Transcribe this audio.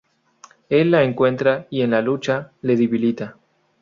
Él la encuentra, y en la lucha, le debilita.